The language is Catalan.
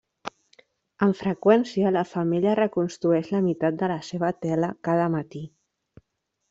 Amb freqüència, la femella reconstrueix la meitat de la seva tela cada matí.